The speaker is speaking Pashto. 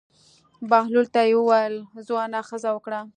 بهلول ته یې وویل: ځوانه ښځه وکړه.